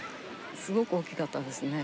すごく大きかったですね